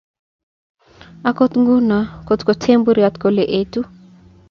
Akot nguno kotoku temburyot kole etu